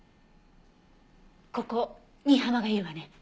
ここ新浜がいるわね。